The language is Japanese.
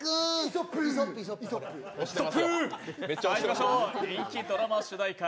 まいりましょう人気ドラマ主題歌